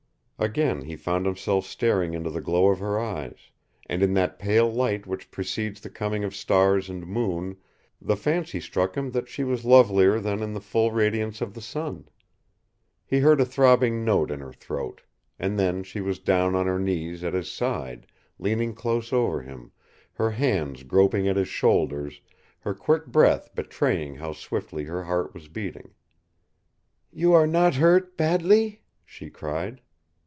Again he found himself staring into the glow of her eyes, and in that pale light which precedes the coming of stars and moon the fancy struck him that she was lovelier than in the full radiance of the sun. He heard a throbbing note in her throat. And then she was down on her knees at his side, leaning close over him, her hands groping at his shoulders, her quick breath betraying how swiftly her heart was beating. "You are not hurt badly?" she cried.